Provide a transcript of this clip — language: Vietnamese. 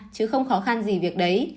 chứ không khó khăn gì việc đấy